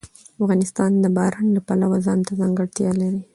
افغانستان د باران د پلوه ځانته ځانګړتیا لري.